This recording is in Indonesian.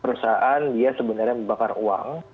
perusahaan dia sebenarnya membakar uang